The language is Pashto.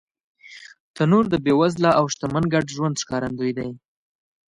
تنور د بېوزله او شتمن ګډ ژوند ښکارندوی دی